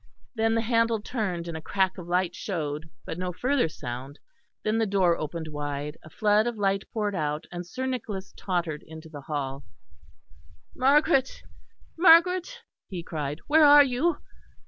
Then the handle turned, and a crack of light showed; but no further sound; then the door opened wide, a flood of light poured out and Sir Nicholas tottered into the hall. "Margaret, Margaret," he cried. "Where are you?